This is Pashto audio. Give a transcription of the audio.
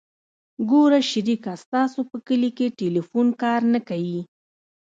ګوره شريکه ستاسو په کلي کښې ټېلفون کار نه کيي.